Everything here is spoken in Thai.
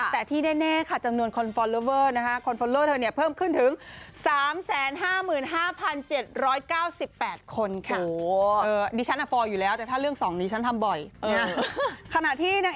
แต่ที่แน่ค่ะจำนวนคนฟอลเลอเวอร์นะฮะ